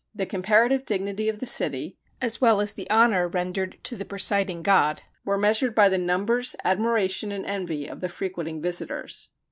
The comparative dignity of the city, as well as the honor rendered to the presiding god, were measured by the numbers, admiration, and envy, of the frequenting visitors.